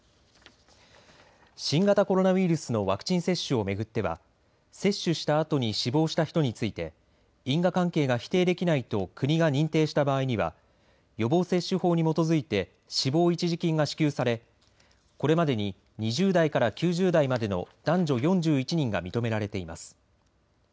新型コロナウイルスのワクチン接種を巡っては接種したあとに死亡した人について因果関係が否定できないと国が認定した場合には予防接種法に基づいて死亡一時金が支給されこれまでに２０代から９０代までの男女４１人が認められています。